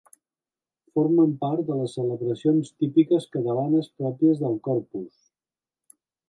Formen part de les celebracions típiques catalanes pròpies del Corpus.